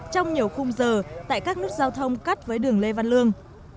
trong nhiều khung giờ tại các nút giao thông cắt với đường lê văn lương